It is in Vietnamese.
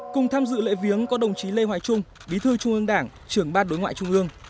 cùng tham dự lễ viếng có đồng chí lê hoài trung bí thư trung ương đảng trưởng bát đối ngoại trung ương